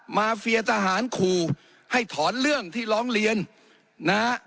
เฟียทหารขู่ให้ถอนเรื่องที่ร้องเรียนนะฮะ